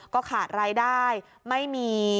ก็ขาดรายได้ไม่มี